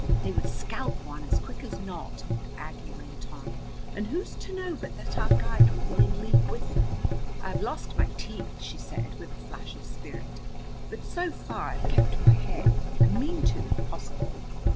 "They would scalp one as quick as not," Aggie went on. "And who's to know but that our guide will be in league with them? I've lost my teeth," she said with a flash of spirit, "but so far I've kept my hair, and mean to if possible.